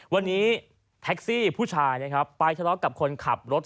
วันนี้แท็กซี่ผู้ชายไปชะลอกกับคนขับรถ